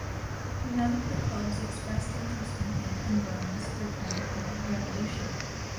None of the clubs expressed interest in him and Burns returned to the Revolution.